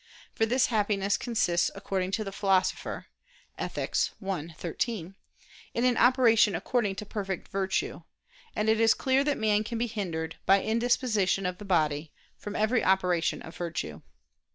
For this happiness consists, according to the Philosopher (Ethic. i, 13) in "an operation according to perfect virtue"; and it is clear that man can be hindered, by indisposition of the body, from every operation of virtue.